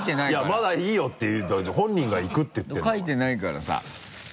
まだいいよって言うと本人がいくって言ってるんだからかいてないからさ。